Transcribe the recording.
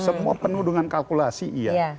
semua penuh dengan kalkulasi iya